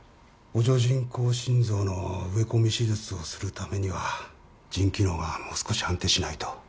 補助人工心臓の植え込み手術をするためには腎機能がもう少し安定しないと。